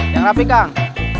jangan rapi kang